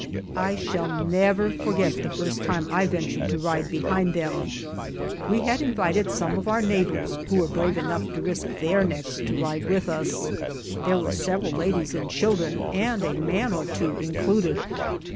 I shall never forget the first time I ventured to ride behind them, we had invited some of our neighbors who were brave enough to risk their necks to ride with us. There were several ladies and children and a man or two included.